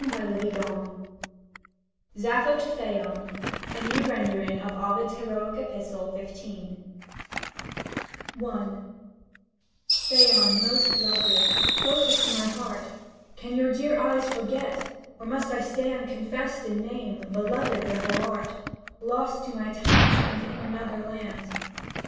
55 LIV SAPPHO TO PHAON A NEW RENDERING OF OVID's HEROIC EPISTLE, XV, I Phaon, most lovely, closest to my heart. Can your dear eyes forget, or must I stand Confessed in name, beloved that thou art, Lost to my touch and in another land.